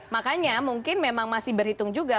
makanya mungkin memang masih berhitung juga